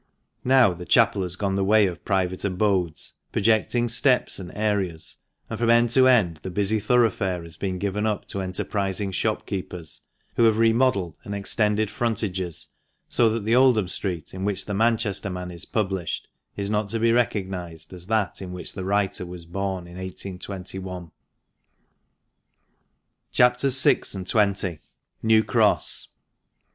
Now, the chapel has gone the way of private abodes, projecting steps and areas, and from end to end the busy thoroughfare has been given up to enterprising shopkeepers, who have remodelled and extended frontages so that the Oldham Street in which the "Manchester Man" is published is not to be recog nised as that in which the writer was born in 1821. CHAPS. VI. AND XX.— NEW CROSS.